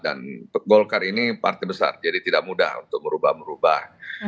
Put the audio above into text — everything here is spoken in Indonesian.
dan golkar ini partai besar jadi tidak mudah untuk merubah merubah